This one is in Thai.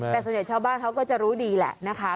แต่ส่วนใหญ่ชาวบ้านเขาก็จะรู้ดีแหละนะคะ